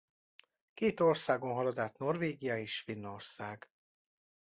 Két országon halad át Norvégia és Finnország.